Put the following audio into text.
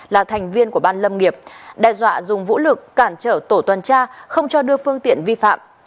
là thành viên của ban lâm nghiệp đe dọa dùng vũ lực cản trở tổ tuần tra không cho đưa phương tiện vi phạm